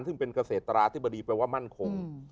ซึ่งเป็นเกษตราธิบดีแปลว่ามั่นคง